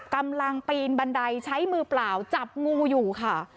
กำลังปีนบันไดใช้มือเปล่าจับงูอยู่ค่ะ